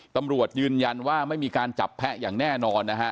ตำรวจยืนยันว่าไม่มีการจับแพะอย่างแน่นอนนะฮะ